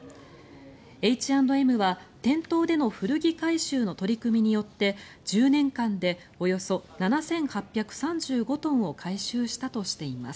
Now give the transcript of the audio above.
Ｈ＆Ｍは店頭での古着回収の取り組みによって１０年間でおよそ７８３５トンを回収したとしています。